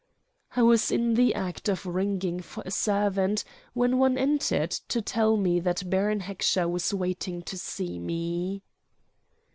I was in the act of ringing for a servant when one entered to tell me that Baron Heckscher was waiting to see me.